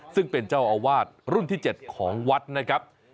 ซึ่งเป็นเจ้าอาวาสรุ่นที่๗ของวัดนะครับ